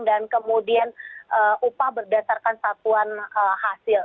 dan kemudian upah berdasarkan satuan hasil